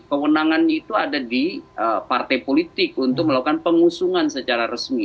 kewenangannya itu ada di partai politik untuk melakukan pengusungan secara resmi